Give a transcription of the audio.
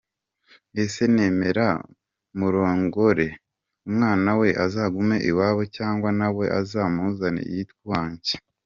Ese nemere murongore, umwana we azagume iwabo Cyangwa nawe azamuzane yitwe uwanjye?”.